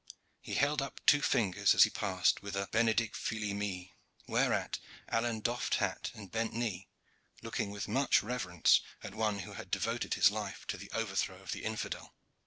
He held up two fingers as he passed, with a "Benedic, fili mi!" whereat Alleyne doffed hat and bent knee, looking with much reverence at one who had devoted his life to the overthrow of the infidel.